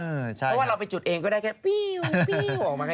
เพราะว่าเราไปจุดเองก็ได้แค่ปี้วออกมาแค่